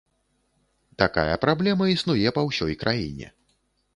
Такая праблема існуе па ўсёй краіне.